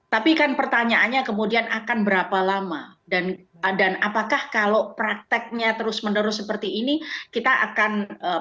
tapi kan pertanyaannya kemudian akan berapa lama dan apakah kalau prakteknya terus menerus seperti ini kita akan